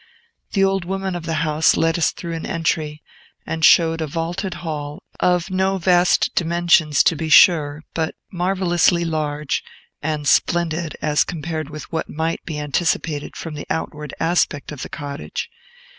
The old woman of the house led us through an entry, and showed a vaulted hall, of no vast dimensions, to be sure, but marvellously large and splendid as compared with what might be anticipated from the outward aspect of the cottage.